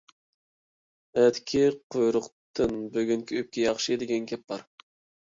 «ئەتىكى قۇيرۇقتىن بۈگۈنكى ئۆپكە ياخشى» دېگەن گەپ بار.